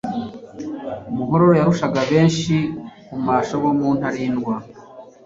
muhororo yarushaga benshi kumasha bo mu Ntarindwa.